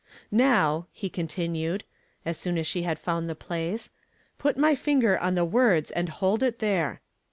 _" Now,' he continued, as soon as she had found the place, 'put my finger on the words and hold it there!'